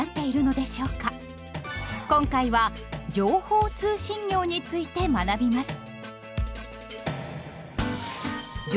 今回は「情報通信業」について学びます。